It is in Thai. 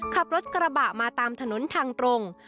ขับรถกระบะมาตามถนนทางตรง